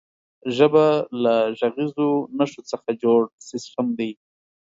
ژبه له غږیزو نښو څخه جوړ سیستم دی.